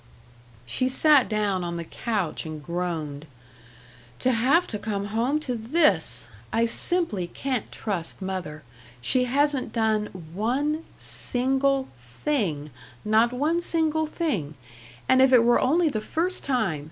She sat down on the couch and groaned: "To have to come home to this! I simply can't trust mother. She hasn't done one single thing, not one single thing. And if it were only the first time